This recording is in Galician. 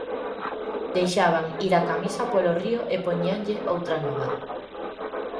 Deixaban ir a camisa polo río e poñíanlle outra nova.